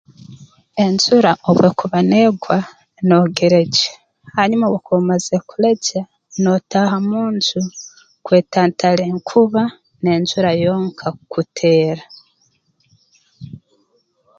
Enjura obu ekuba negwa noogiregya hanyuma obu okuba omazire kulegya nootaaha mu nju kwetantara enkuba n'enjura yonka kukuteera